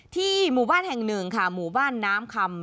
หมู่บ้านแห่งหนึ่งค่ะหมู่บ้านน้ำคำ